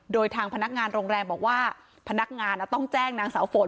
โดยทางพนักงานโรงแรมบอกว่าพนักงานต้องแจ้งนางสาวฝน